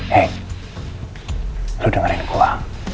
hey lu dengerin gua